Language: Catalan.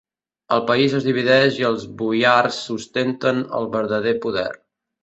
El país es divideix i els boiars ostenten el verdader poder.